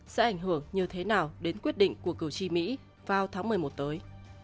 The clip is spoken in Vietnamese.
sẽ ảnh hưởng như thế nào đến quyết định của cử tri mỹ vào tháng một mươi một tới